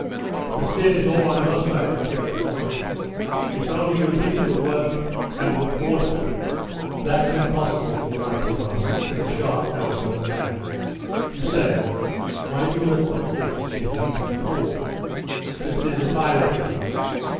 "The sin is all on your side," the German remarked. "If only you did your work, and were orderly." "That's impossible for the likes of us," said a sharp nosed old man. "You say, 'Why do you let the horse get into the corn?' just as if I let it in.